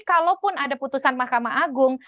kalaupun ada putusan mahkamah agung